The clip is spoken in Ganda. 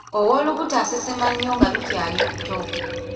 Ow'olubuto asesema nnyo nga lukyali luto.